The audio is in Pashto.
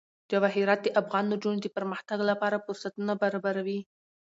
جواهرات د افغان نجونو د پرمختګ لپاره فرصتونه برابروي.